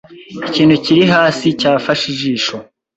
Ikintu kiri hasi cyafashe ijisho